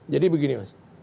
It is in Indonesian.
jadi begini mas